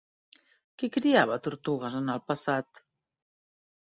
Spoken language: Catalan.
Qui criava tortugues en el passat?